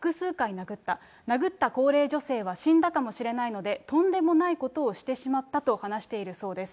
殴った高齢女性は死んだかもしれないので、とんでもないことをしてしまったと話しているそうです。